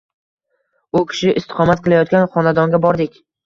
U kishi istiqomat qilayotgan xonadonga bordik